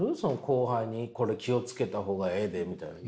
後輩にこれ気を付けた方がええでみたいな。